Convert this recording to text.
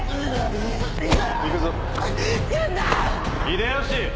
秀吉！